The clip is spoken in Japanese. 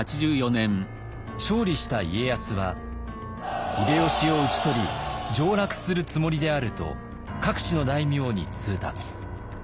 勝利した家康は「秀吉を討ち取り上らくするつもりである」と各地の大名に通達。